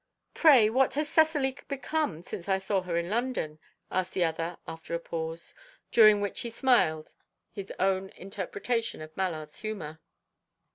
"Pray, what has Cecily become since I saw her in London?" asked the other, after a pause, during which he smiled his own interpretation of Mallard's humour.